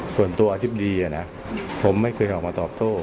ส่วนตัวอธิบดีอะนะผมไม่เคยออกมาตอบโทษ